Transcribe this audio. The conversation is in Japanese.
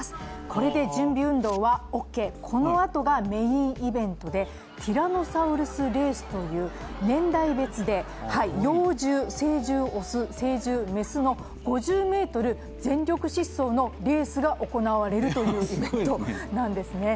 これで準備運動はオーケーこのあとがメインイベントでティラノサウルスレースという年代別で、幼獣、成獣オス、成獣メスの５０ｍ全力疾走のレースが行われるというイベントなんですね。